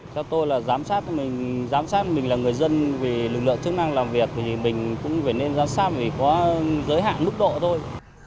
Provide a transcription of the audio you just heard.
theo tôi là giám sát mình là người dân vì lực lượng chức năng làm việc thì mình cũng phải nên giám sát vì có giới hạn lúc độ thôi